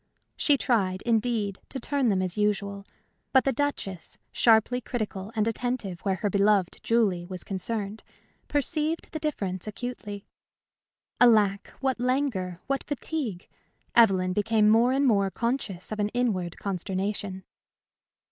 She tried, indeed, to turn them as usual; but the Duchess, sharply critical and attentive where her beloved Julie was concerned, perceived the difference acutely! Alack, what languor, what fatigue! Evelyn became more and more conscious of an inward consternation.